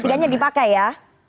jadi tiga tiga nya dipakai ya